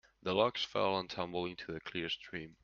The logs fell and tumbled into the clear stream.